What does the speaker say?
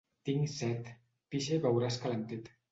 Tinc set / —Pixa i beuràs calentet.